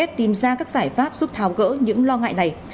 để tìm ra các giải pháp giúp tháo gỡ những lo ngại này